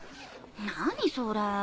何それ。